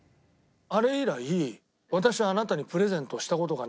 「あれ以来私はあなたにプレゼントした事がないでしょ？」